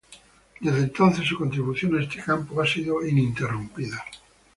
Desde entonces, su contribución en este campo ha sido ininterrumpida.